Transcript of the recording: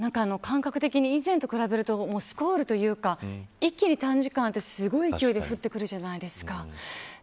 今、雨の量でも１回の降る量が感覚的に、以前と比べるとスコールというか一気に短時間ですごい勢いで降ってくるじゃないですか。